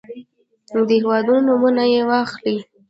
د هېوادونو نومونه يې واخلئ.